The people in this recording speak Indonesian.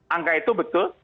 angka itu betul